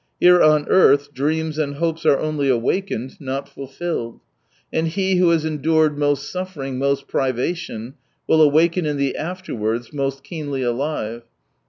Here on earth dreams and hopes are only awakened, not fulfilled. And he who has endured most suffering, most privation, will awaken in the afterwards most keenly alive."